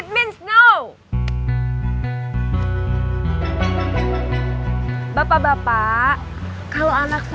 tolong hormati keputusan dia